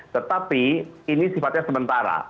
tetapi ini sifatnya sementara